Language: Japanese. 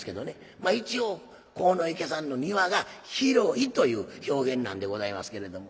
まあ一応鴻池さんの庭が広いという表現なんでございますけれども。